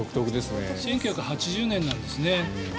１９８０年なんですね。